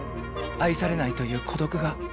愛されないという孤独が。